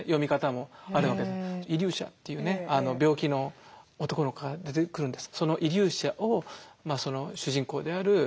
イリューシャというね病気の男の子が出てくるんです。